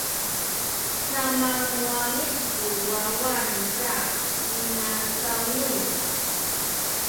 na muwangic ku wawa niza inasawni.